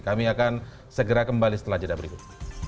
kami akan segera kembali setelah jeda berikut